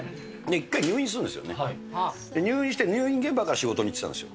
一回入院するんですよね、入院して、入院現場から仕事に行ってたんですよ。